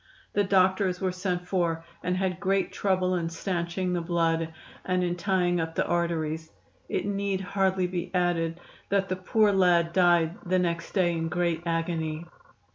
The doctors were sent for, and had great trouble in stanching the blood, and in tying up the arteries. It need hardly be added that the poor lad died the next day in great agony.